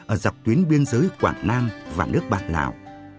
ở dọc tuyến biên giới quảng nam và nước bạn lào